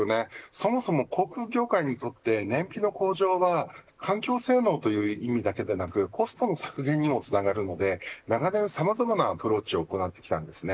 そもそも航空業界にとって燃費の向上は環境性能という意味だけでなくコストの削減にもつながるので長年さまざまなアプローチを行ってきたんです。